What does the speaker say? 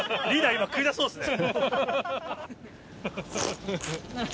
今食いたそうですね。